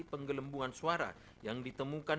penggelembungan suara yang ditemukan